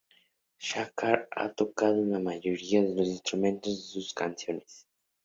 Shankar ha tocado la mayoría de los instrumentos de sus canciones.